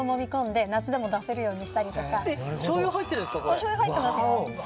おしょうゆ入ってますよ。